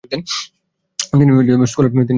তিনি স্কুলের board chair.